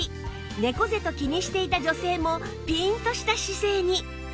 猫背と気にしていた女性もピーンとした姿勢に！